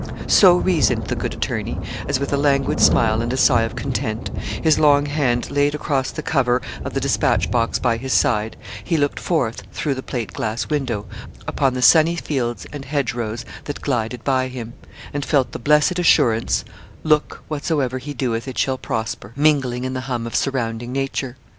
So reasoned the good attorney, as with a languid smile and a sigh of content, his long hand laid across the cover of the despatch box by his side, he looked forth through the plate glass window upon the sunny fields and hedgerows that glided by him, and felt the blessed assurance, 'look, whatsoever he doeth it shall prosper,' mingling in the hum of surrounding nature.